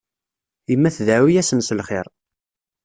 Yemma tdeɛɛu-asen s lxir.